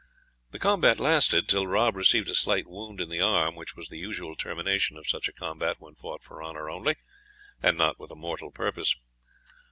The combat lasted till Rob received a slight wound in the arm, which was the usual termination of such a combat when fought for honour only, and not with a mortal purpose.